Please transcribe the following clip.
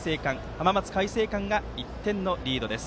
浜松開誠館が１点のリードです。